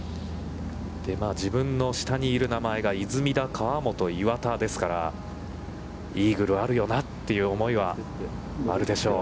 自分の下にいる名前が出水田、河本、岩田ですから、イーグルあるよなという思いはあるでしょう。